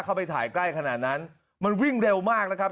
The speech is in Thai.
เข้าไปถ่ายใกล้ขนาดนั้นมันวิ่งเร็วมากนะครับ